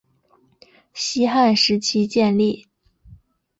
西汉时期建立。